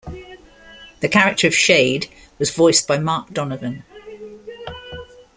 The character of Shayde was voiced by Mark Donovan.